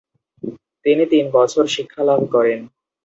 তিনি তিন বছর শিক্ষালাভ করেন।